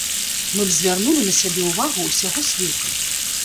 Мы б звярнулі на сябе ўвагу ўсяго свету.